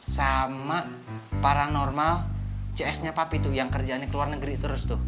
sama paranormal cs nya papi tuh yang kerjaannya ke luar negeri terus tuh